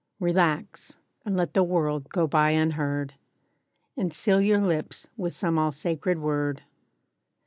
Relax, and let the world go by unheard. And seal your lips with some all sacred word.